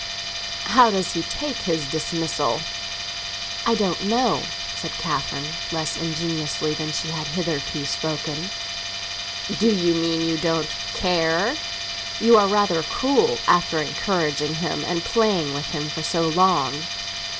"How does he take his dismissal?" "I don't know!" said Catherine, less ingeniously than she had hitherto spoken. "You mean you don't care? You are rather cruel, after encouraging him and playing with him for so long!"